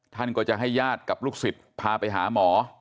ท่านก็จะให้ญาติกับลูกศิษย์พาไปหาหมอ